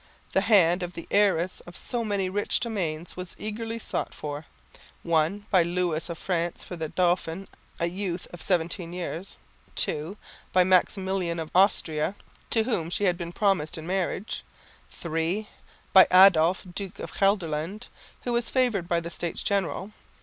The hand of the heiress of so many rich domains was eagerly sought for (1) by Louis of France for the dauphin, a youth of 17 years; (2) by Maximilian of Austria to whom she had been promised in marriage; (3) by Adolf, Duke of Gelderland, who was favoured by the States General.